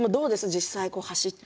実際に走って。